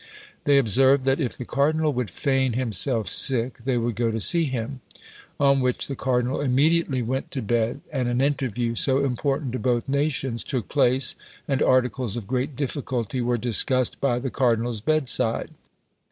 They observed, that if the cardinal would feign himself sick, they would go to see him: on which the cardinal immediately went to bed, and an interview, so important to both nations, took place, and articles of great difficulty were discussed by the cardinal's bedside!